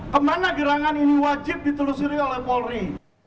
kemana gerangan ini wajib ditelusuri oleh polri